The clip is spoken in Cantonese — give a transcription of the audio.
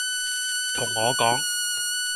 同我講